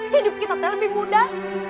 hidup kita lebih mudah